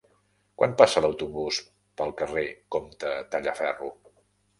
Quan passa l'autobús pel carrer Comte Tallaferro?